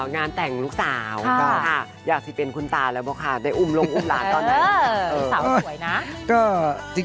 งานแต่งลูกสาวอยากที่เป็นคุณตาแล้วบอกค่ะได้อุ้มลงอุ้มหลานตอนไหน